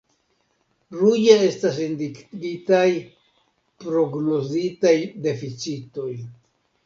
Ruĝe estas indikitaj prognozitaj deficitoj.